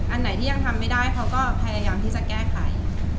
อันไหนที่ยังทำไม่ได้เขาก็พยายามที่จะแก้ไข